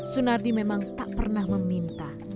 sunardi memang tak pernah meminta